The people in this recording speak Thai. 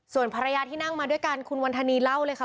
ส่วนภรรยาที่นั่งมาด้วยกันคุณวันธนีเล่าเลยค่ะ